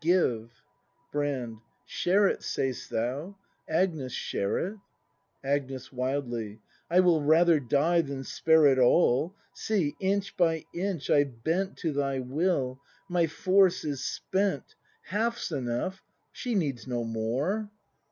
Give! Brand. Share it, say'st thou? — Agnes; share it? Agnes. [Wildly.] I will rather die than spare it All! See, inch by inch I've bent To thy will; my force is spent! Half's enough; she needs no more!